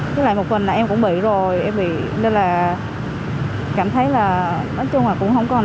cái lại một mình là em cũng bị rồi nên là cảm thấy là nói chung là cũng không còn